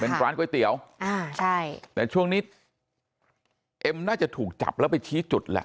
เป็นร้านก๋วยเตี๋ยวอ่าใช่แต่ช่วงนี้เอ็มน่าจะถูกจับแล้วไปชี้จุดแหละ